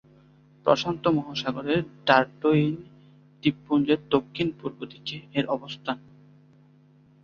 প্রশান্ত মহাসাগরের ডারউইন দ্বীপপুঞ্জের দক্ষিণ-পূর্ব দিকে এর অবস্থান।